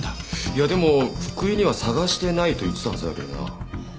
いやでも福井には捜してないと言ってたはずだけどな。